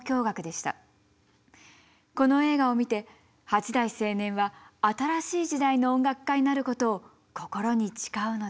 この映画を見て八大青年は新しい時代の音楽家になることを心に誓うのでした。